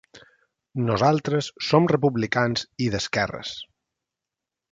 Nosaltres som republicans i d’esquerres.